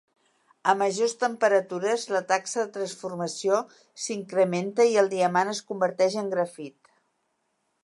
A majors temperatures, la taxa de transformació s'incrementa i el diamant es converteix en grafit.